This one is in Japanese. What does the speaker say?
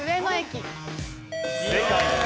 正解。